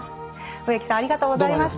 植木さんありがとうございました。